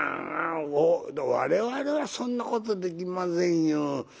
我々はそんなことできませんよ。